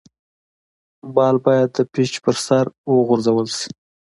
بال باید د پيچ پر سر راوغورځول سي.